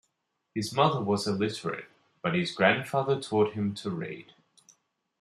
His mother was illiterate, but his grandfather taught him to read.